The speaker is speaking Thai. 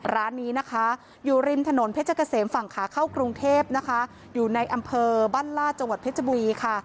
ร้านนี้นะคะอยู่ริมถนนเพชรเกษมฝั่งขาเข้ากรุงเทพนะคะอยู่ในอำเภอบ้านลาดจังหวัดเพชรบุรีค่ะ